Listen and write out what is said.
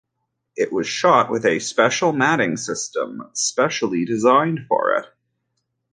It was shot with a special matting system specially designed for it.